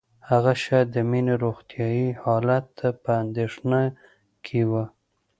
هغه شاید د مينې روغتیايي حالت ته په اندېښنه کې وه